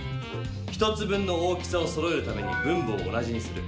１つ分の大きさをそろえるために分母を同じにする。